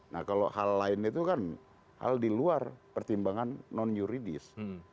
nah kalau hal lain itu kan hal di luar pertimbangan non yuridis